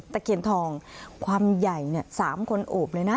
ตะเคียนทองความใหญ่เนี่ยสามคนอบเลยน่ะ